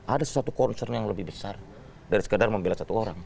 ada sesuatu concern yang lebih besar dari sekedar membela satu orang